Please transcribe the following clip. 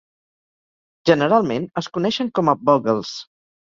Generalment es coneixen com a "Vogels".